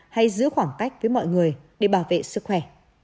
hay giữ khoảng cách với mọi người để bảo vệ sức khỏe